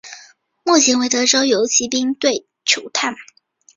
目前为德州游骑兵队球探。